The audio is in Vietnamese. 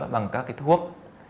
bằng các thuốc